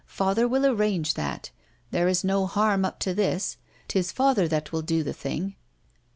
Father will arrange that. There is no harm up to this. 'Tis father that will do the thing."